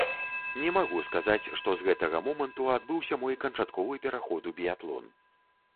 Не магу сказаць, што з гэтага моманту адбыўся мой канчатковы пераход у біятлон.